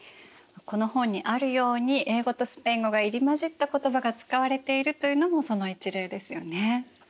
この本にあるように英語とスペイン語が入り交じった言葉が使われているというのもその一例ですよね。